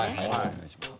お願いします。